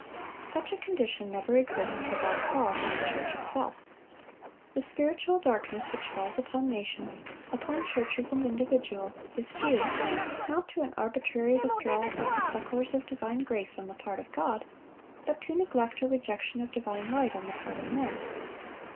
" Such a condition never exists without cause in the church itself. The spiritual darkness which falls upon nations, upon churches and individuals, is due, not to an arbitrary withdrawal of the succors of divine grace on the part of God, but to neglect or rejection of divine light on the part of men.